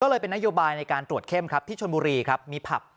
ก็เลยเป็นนโยบายในการตรวจเข้มครับที่ชนบุรีครับมีผับ